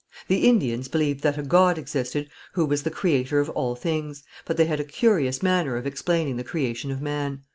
The Indians believed that a God existed who was the creator of all things, but they had a curious manner of explaining the creation of man.